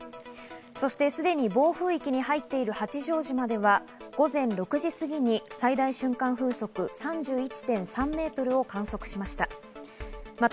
そして、すでに暴風域に入っている八丈島では午前６時過ぎに最大瞬間風速３１．３メートルを観測しました。